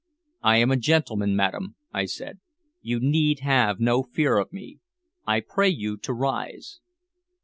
"I am a gentleman, madam," I said. "You need have no fear of me. I pray you to rise."